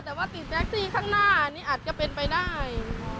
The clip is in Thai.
แต่ว่าติดแท็กซี่ข้างหน้านี่อาจจะเป็นไปได้